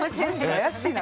怪しいな。